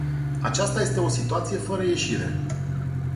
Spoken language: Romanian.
Aceasta este o situație fără ieșire.